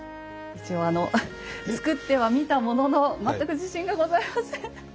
一応作ってはみたものの全く自信がございません。